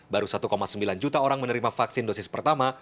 baru satu sembilan juta orang menerima vaksin dosis pertama